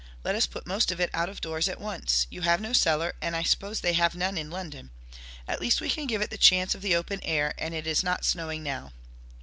Let us put most of it out of doors at once. You have no cellar, and I suppose they have none in London. At least we can give it the chance of the open air, and it is not snowing now."